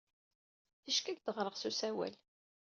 Ticki ad ak-d-ɣreɣ s usawal.